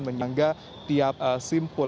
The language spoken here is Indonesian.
menyangga tiap simpul